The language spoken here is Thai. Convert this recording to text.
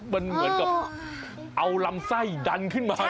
มันเหมือนกับเอาลำไส้ดันขึ้นมา